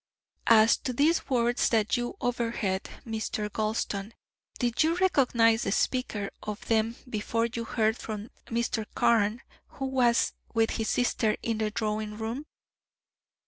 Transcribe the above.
"As to these words that you overheard, Mr. Gulston, did you recognise the speaker of them before you heard from Mr. Carne who was with his sister in the drawing room?"